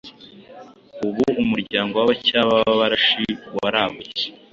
ubu umuryango w’abacyaba b’abarashi waragutse